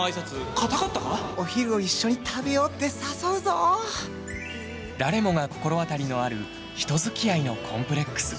お昼を一緒に誰もが心当たりのある人づきあいのコンプレックス。